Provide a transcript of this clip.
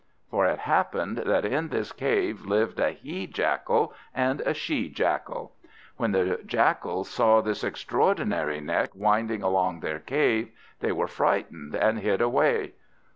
For it happened that in this cave lived a He jackal and a She jackal. When the Jackals saw this extraordinary neck winding along their cave, they were frightened, and hid away.